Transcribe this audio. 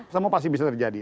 semua pasti bisa terjadi